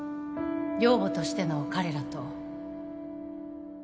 寮母としての彼らと